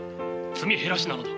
積み減らしなのだ。